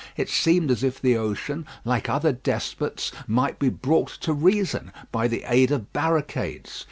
It seemed as if the ocean, like other despots, might be brought to reason by the aid of barricades.